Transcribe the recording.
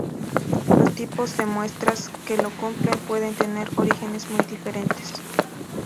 Los tipos de muestras que lo cumplen pueden tener orígenes muy diferentes.